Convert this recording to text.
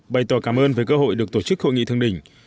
bày tỏ cảm ơn về cơ hội được tổ chức hội nghị thượng đỉnh